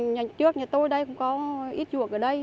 nhà trước nhà tôi đây cũng có ít ruộng ở đây